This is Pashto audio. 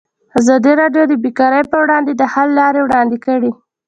ازادي راډیو د بیکاري پر وړاندې د حل لارې وړاندې کړي.